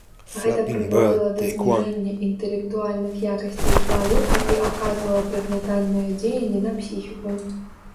Гэта прыводзіла да зніжэння інтэлектуальных якасцей чалавека і аказвала прыгнятальнае дзеянне на псіхіку.